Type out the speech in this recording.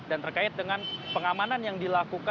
dan terkait dengan pengamanan yang dilakukan